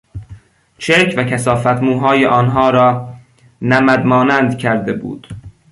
چرک و کثافت موهای آنها را نمد مانند کرده بود.